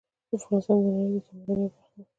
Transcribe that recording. افغانستان د نړۍ د تمدن یوه برخه وه